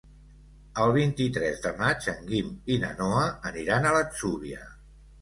El vint-i-tres de maig en Guim i na Noa aniran a l'Atzúbia.